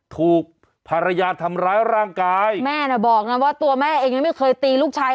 ถูกภรรยาทำร้ายร่างกายแม่น่ะบอกนะว่าตัวแม่เองยังไม่เคยตีลูกชาย